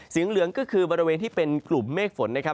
เหลืองก็คือบริเวณที่เป็นกลุ่มเมฆฝนนะครับ